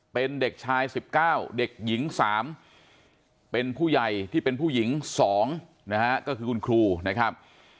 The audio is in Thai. เป็นเด็กชาย๑๙เด็กหญิง๓เป็นผู้ใหญ่ที่เป็นผู้หญิง๒นะฮะก็คือคุณครูนะครับ